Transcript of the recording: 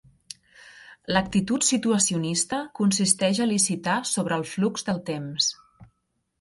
L'actitud situacionista consisteix a licitar sobre el flux del temps.